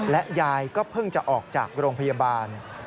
และยายก็เพิ่งจะออกจากโรงพยาบาล